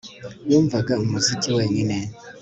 Yumvaga umuziki wenyine